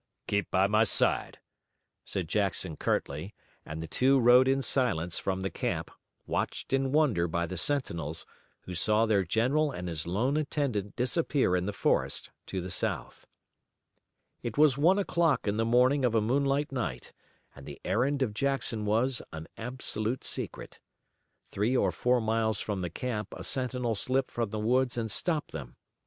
"Keep by my side," said Jackson curtly, and the two rode in silence from the camp, watched in wonder by the sentinels, who saw their general and his lone attendant disappear in the forest to the south. It was then one o'clock in the morning of a moonlight night, and the errand of Jackson was an absolute secret. Three or four miles from the camp a sentinel slipped from the woods and stopped them.